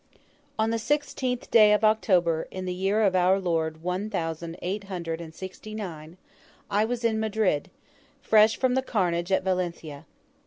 On the sixteenth day of October, in the year of our Lord one thousand eight hundred and sixty nine, I was in Madrid, fresh from the carnage at Valencia.